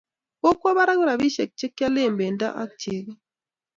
Kokwa bara rapishek che kialen pendo ak cheko